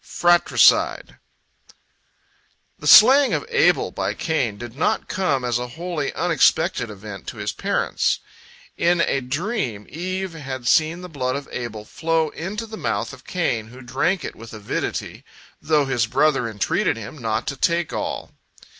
FRATRICIDE The slaying of Abel by Cain did not come as a wholly unexpected event to his parents. In a dream Eve had seen the blood of Abel flow into the mouth of Cain, who drank it with avidity, though his brother entreated him not to take all.